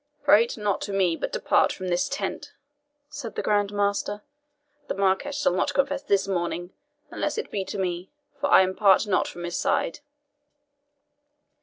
"Prate not to me, but depart from this tent," said the Grand Master; "the Marquis shall not confess this morning, unless it be to me, for I part not from his side."